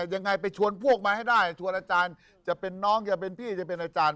ยังไงไปชวนพวกมาให้ได้ชวนอาจารย์จะเป็นน้องจะเป็นพี่จะเป็นอาจารย์